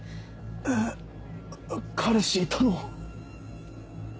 えっ彼氏いたの？